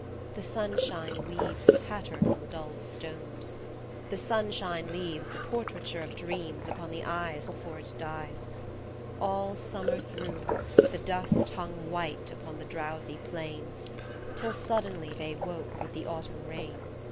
The sunshine weaves A pattern on dull stones : the sunshine leaves The portraiture of dreams upon the eyes Before it dies : All Summer through The dust hung white upon the drowsy planes Till suddenly they woke with the Autumn rains.